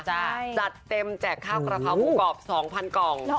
จัดเต็มแจกข้าวกระเพราหมูกรอบ๒๐๐กล่อง